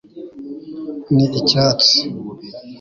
ni icyatsi